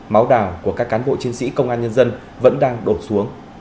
máu đào của các cán bộ chiến sĩ công an nhân dân vẫn đang đổ xuống